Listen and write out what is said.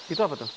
itu apa tuh